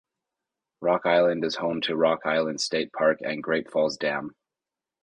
Rock Island is home to Rock Island State Park and Great Falls Dam.